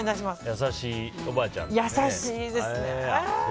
優しいおばあちゃんですね。